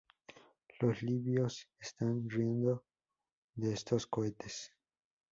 Los libios están riendo de estos cohetes.